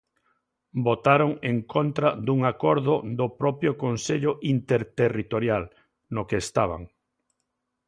Votaron en contra dun acordo do propio Consello Interterritorial, no que estaban.